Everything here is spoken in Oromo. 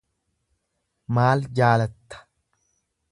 maal jaalatta?